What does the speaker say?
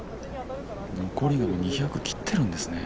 残りは２００切ってるんですね。